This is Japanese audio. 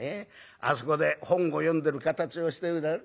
あそこで本を読んでる形をしてるだろ。